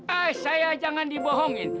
eh saya jangan dibohongin